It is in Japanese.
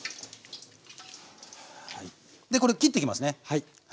でこれ切ってきますね。